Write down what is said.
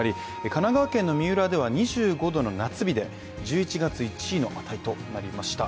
神奈川県の三浦では２５度の夏日で１１月１位の値となりました。